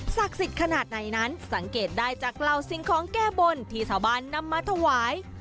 สิทธิ์ขนาดไหนนั้นสังเกตได้จากเหล่าสิ่งของแก้บนที่ชาวบ้านนำมาถวาย